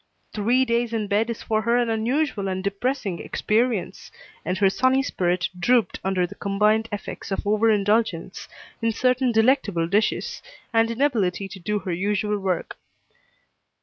Three days in bed is for her an unusual and depressing experience, and her sunny spirit drooped under the combined effects of over indulgence in certain delectable dishes, and inability to do her usual work.